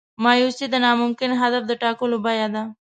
مایوسي د ناممکن هدف د ټاکلو بیه ده.